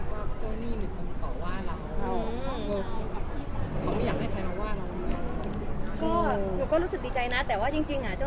หนูก็รู้สึกดีใจนะ